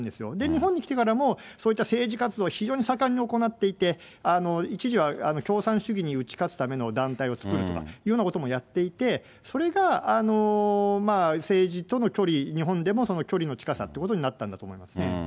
日本に来てからも、そういった政治活動を非常に盛んに行っていて、一時は共産主義に打ち勝つための団体を作るとかというようなこともやっていて、それが政治との距離、日本でもその距離の近さっていうことになったんだと思うんですね。